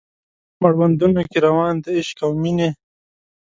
مړوندونو کې روان د عشق او میینې